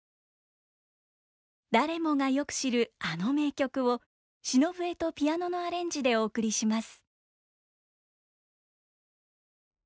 誰もがよく知るあの名曲を篠笛とピアノのアレンジでお送りします。